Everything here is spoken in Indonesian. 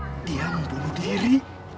kalian inget nggak pacarnya bu devi